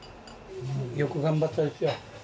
よく頑張ったですよ。